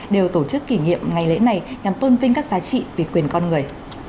đều tổ chức kỷ niệm ngày lễ này nhằm tôn vinh các giá trị về quyền con người